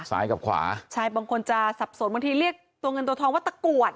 ซ้ายกับขวาใช่บางคนจะสับสนบางทีเรียกตัวเงินตัวทองว่าตะกรวด